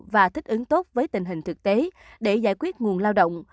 và thích ứng tốt với tình hình thực tế để giải quyết nguồn lao động